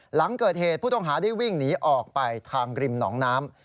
หลังเกิดเหตุผู้ต้องหาได้วิ่งหนีออกไปทางริมหนองน้ำ